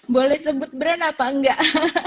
boleh sebut brand apa enggak